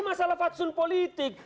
ini masalah faksun politik